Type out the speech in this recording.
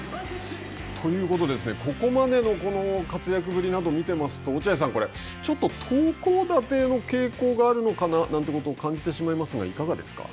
ということでここまでの活躍ぶりなどを見ていますと落合さん、これちょっと投高打低の傾向があるのかななんてことを感じたりしますがいかがですか。